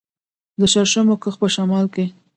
د شړشمو کښت په شمال کې دی.